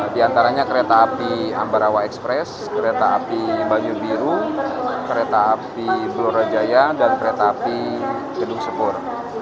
di antaranya kereta api ambarawa express kereta api banyu biru kereta api blora jaya dan kereta api gedung sepur